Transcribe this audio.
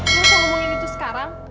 gak usah ngomongin itu sekarang